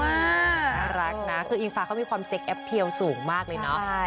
น่ารักนะคืออิงฟ้าเขามีความเซ็กแอปเพียลสูงมากเลยเนาะ